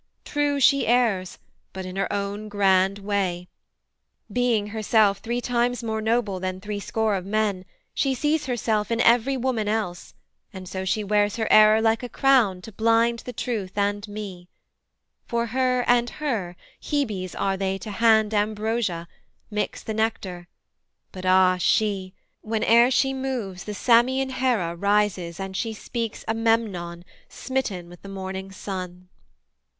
true she errs, But in her own grand way: being herself Three times more noble than three score of men, She sees herself in every woman else, And so she wears her error like a crown To blind the truth and me: for her, and her, Hebes are they to hand ambrosia, mix The nectar; but ah she whene'er she moves The Samian Herè rises and she speaks A Memnon smitten with the morning Sun.'